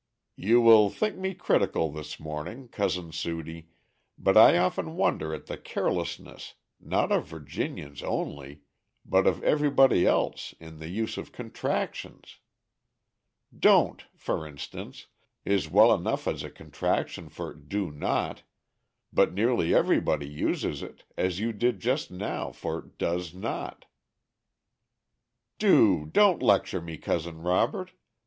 "You will think me critical this morning, Cousin Sudie, but I often wonder at the carelessness, not of Virginians only, but of everybody else, in the use of contractions. 'Don't,' for instance, is well enough as a contraction for 'do not, but nearly everybody uses it, as you did just now, for 'does not.'" "Do don't lecture me, Cousin Robert.